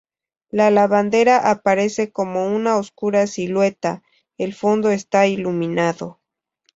La lavandera aparece como una oscura silueta, el fondo está iluminado.